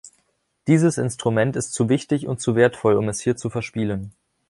Dieses Instrument ist zu wichtig und zu wertvoll, um es hier zu verspielen.